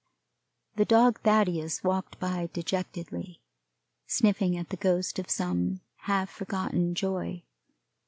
The dog Thaddeus walked by dejectedly, sniffing at the ghost of some half forgotten joy.